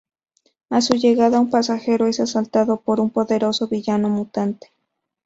A su llegada, un pasajero es asaltado por un poderoso villano mutante.